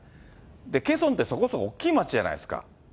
ケソンってそこそこ大きい街じゃないですか。